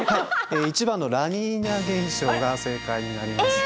１番のラニーニャ現象が正解になります。